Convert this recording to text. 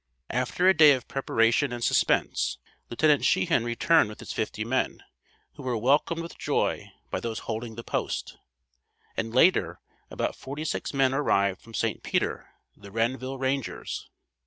After a day of preparation and suspense, Lieut. Shehan returned with his fifty men, who were welcomed with joy by those holding the post, and later, about forty six men arrived from St. Peter, the Renville Rangers.